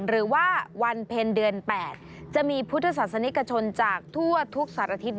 หรือว่าวันเพลงเดือนแปดจะมีพุทธศาสนิกชนจากทั่วทุกสัตว์อาทิตย์